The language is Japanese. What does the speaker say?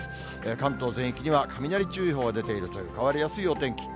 関東全域には雷注意報が出ているという、変わりやすいお天気。